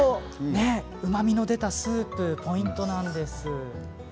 うまみの出たスープポイントなんです。